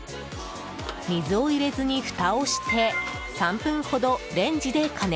水を入れずにふたをして３分ほどレンジで加熱。